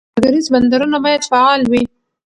سوداګریز بندرونه باید فعال وي.